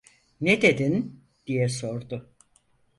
"Ne dedin?" diye sordu.